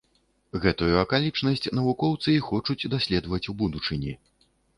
Гэтую акалічнасць навукоўцы і хочуць даследаваць у будучыні.